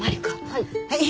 はい。